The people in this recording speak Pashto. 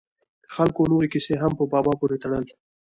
خلکو نورې کیسې هم په بابا پورې تړل.